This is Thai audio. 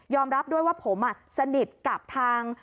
รับด้วยว่าผมสนิทกับทาง